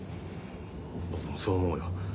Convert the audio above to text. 僕もそう思うよ。